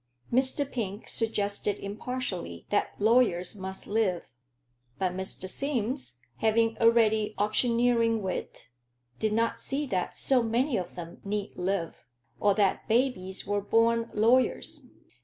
Mr. Pink suggested impartially that lawyers must live; but Mr. Sims, having a ready auctioneering wit, did not see that so many of them need live, or that babies were born lawyers.